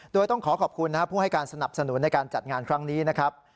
โดยต้องขอขอบคุณนะครับผู้ให้การสนับสนุนในการจัดงานครั้งนี้นะครับ